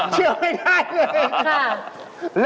เชื่อไม่ได้เลย